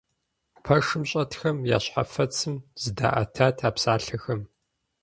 Пэшым щӀэтхэм я щхьэфэцым зыдаӀэтат а псалъэхэм.